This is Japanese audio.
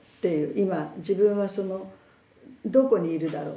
今自分はそのどこにいるだろう。